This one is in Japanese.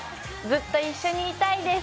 ずっと一緒にいたいです。